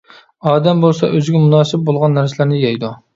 ئادەم بولسا ئۆزىگە مۇناسىپ بولغان نەرسىلەرنى يەيدۇ.